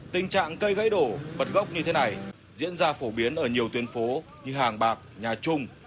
tình trạng cây gãy đổ bật gốc như thế này diễn ra phổ biến ở nhiều tuyến phố như hàng bạc nhà trung